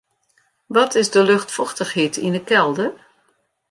Wat is de luchtfochtichheid yn 'e kelder?